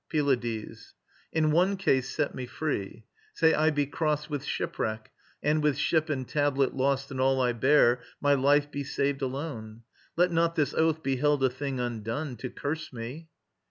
PYLADES. In one case set me free. Say I be crossed With shipwreck, and, with ship and tablet lost And all I bear, my life be saved alone: Let not this oath be held a thing undone, To curse me.